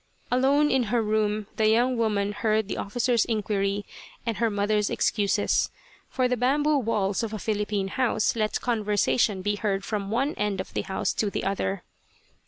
Alone in her room the young woman heard the officer's inquiry and her mother's excuses, for the bamboo walls of a Philippine house let conversation be heard from one end of the house to the other.